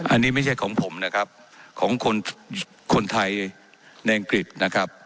อันนี้ไม่ใช่ของผมนะครับของคนคนไทยในอังกฤษนะครับ